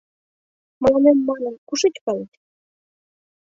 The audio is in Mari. — Мыланем манын, кушеч палет?